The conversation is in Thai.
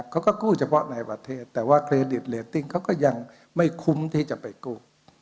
เขาก็กู้เฉพาะในประเทศแต่ว่าเครดิตเรตติ้งเขาก็ยังไม่คุ้มที่จะไปกู้